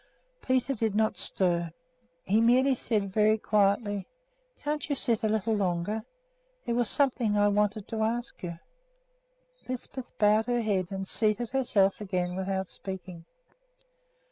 Peter did not stir. He merely said very quietly: "Can't you sit a little longer? There was something I wanted to ask you." Lisbeth bowed her head and seated herself again without speaking.